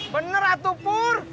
bener atuh pur